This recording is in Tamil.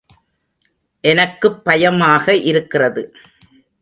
எனக்குப் பயமாக இருக்கிறது.